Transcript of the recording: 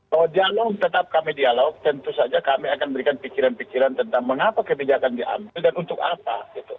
bahwa dialog tetap kami dialog tentu saja kami akan berikan pikiran pikiran tentang mengapa kebijakan diambil dan untuk apa